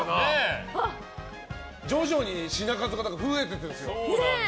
徐々に品数が増えていってるんですよ。